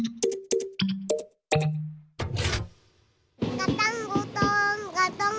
ガタンゴトンガタンゴトン。